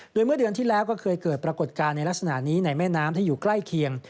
โดยเมื่อเดือนที่แล้วก็เคยเกิดปรากฏการณ์ในลักษณะนี้ในแม่น้ำที่อยู่ใกล้เคียง